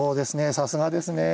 さすがですね。